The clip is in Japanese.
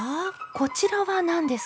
こちらは何ですか？